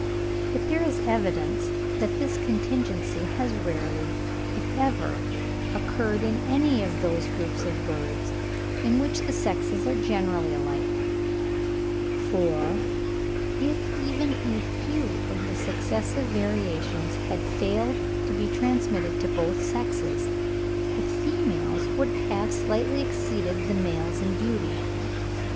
But there is evidence that this contingency has rarely, if ever, occurred in any of those groups of birds in which the sexes are generally alike; for, if even a few of the successive variations had failed to be transmitted to both sexes, the females would have slightly exceeded the males in beauty.